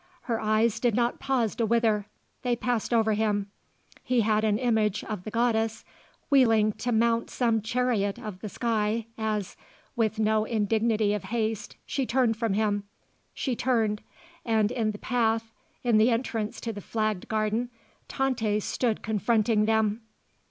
Her eyes did not pause to wither. They passed over him. He had an image of the goddess wheeling to mount some chariot of the sky as, with no indignity of haste, she turned from him. She turned. And in the path, in the entrance to the flagged garden, Tante stood confronting them.